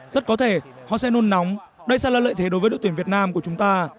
rất có thể họ sẽ nôn nóng đây sẽ là lợi thế đối với đội tuyển việt nam của chúng ta